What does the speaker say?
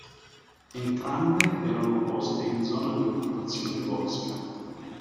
Entrambe erano poste in zona di occupazione volsca.